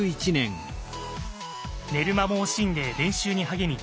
寝る間も惜しんで練習に励み